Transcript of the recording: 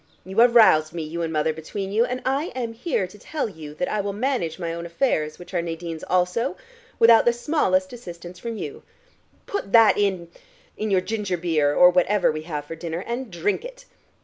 You have roused me, you and mother between you, and I am here to tell you that I will manage my own affairs, which are Nadine's also, without the smallest assistance from you. Put that in in your ginger beer, or whatever we have for dinner, and drink it.